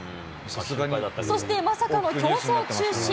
そしてまさかの競走中止。